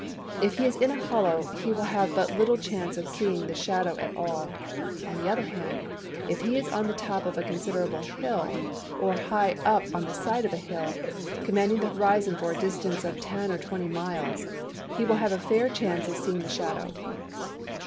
If he is in a hollow, he will have but little chance of seeing the shadow at all: on the other hand, if he is on the top of a considerable hill (or high up on the side of a hill), commanding the horizon for a distance of 10 or 20 miles, he will have a fair chance of seeing the shadow.